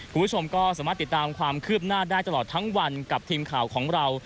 คุณผู้ชมก็สามารถติดตามความคืบหน้าได้ตลอดทั้งวันกับทีมข่าวของเรา